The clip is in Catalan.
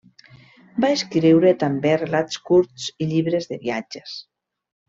Va escriure també relats curts i llibres de viatges.